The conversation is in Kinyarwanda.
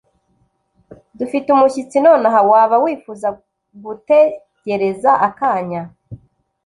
dufite umushyitsi nonaha. waba wifuza gutegereza akanya